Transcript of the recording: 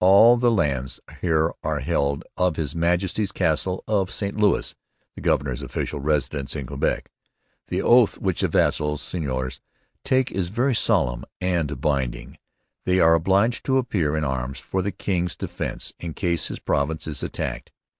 'All the Lands here are held of His Majesty's Castle of St Lewis [the governor's official residence in Quebec]. The Oath which the Vassals [seigneurs] take is very Solemn and Binding. They are obliged to appear in Arms for the King's defence, in case his Province is attacked.'